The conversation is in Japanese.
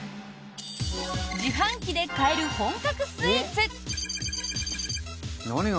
自販機で買える本格スイーツ。